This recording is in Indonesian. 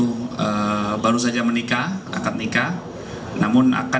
korban baru saja menikah akan nikah